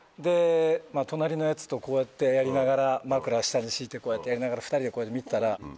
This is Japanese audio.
隣のヤツとこうやってやりながら枕下に敷いて２人でこうやって見てたら。